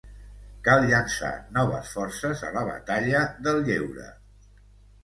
Cal llançar noves forces a la batalla del lleure.